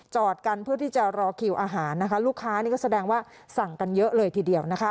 จอดกันเพื่อที่จะรอคิวอาหารนะคะลูกค้านี่ก็แสดงว่าสั่งกันเยอะเลยทีเดียวนะคะ